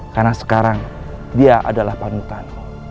karena sekarang dia adalah panutanmu